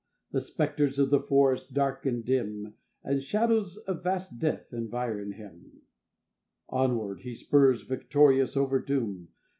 The spectres of the forest, dark and dim, And shadows of vast death environ him Onward he spurs victorious over doom.